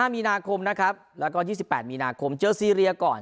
มีนาคมนะครับแล้วก็๒๘มีนาคมเจอซีเรียก่อน